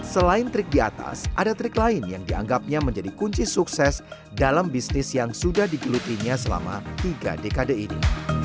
selain trik di atas ada trik lain yang dianggapnya menjadi kunci sukses dalam bisnis yang sudah digelutinya selama tiga dekade ini